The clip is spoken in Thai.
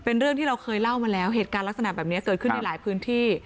เป็นเรื่องที่เราเคยเล่ามาแล้วเหตุการณ์ลักษณะแบบนี้เกิดขึ้นในหลายพื้นที่